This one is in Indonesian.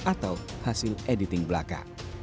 atau hasil editing belaka